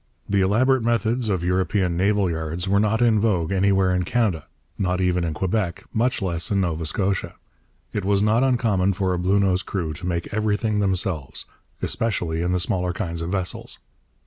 The elaborate methods of European naval yards were not in vogue anywhere in Canada, not even in Quebec, much less in Nova Scotia. It was not uncommon for a Bluenose crew to make everything themselves, especially in the smaller kinds of vessels.